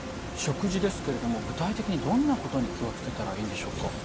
食事ですけれども具体的にどんなことに気を付けたらいいんでしょうか？